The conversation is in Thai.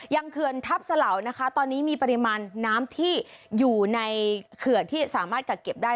เขื่อนทัพสลานะคะตอนนี้มีปริมาณน้ำที่อยู่ในเขื่อนที่สามารถกักเก็บได้